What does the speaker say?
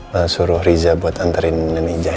masuruh riza buat anterin nene nija ya